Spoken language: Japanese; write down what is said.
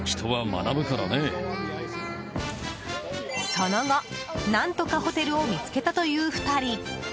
その後、何とかホテルを見つけたという２人。